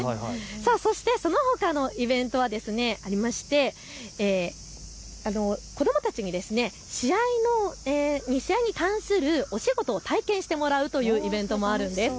そしてそのほかのイベントは子どもたちに試合に関するお仕事を体験してもらうというイベントもあるんです。